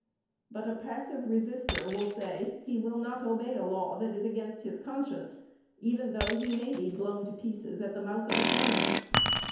But a passive resister will say he will not obey a law that is against his conscience, even though he may be blown to pieces at the mouth of a cannon.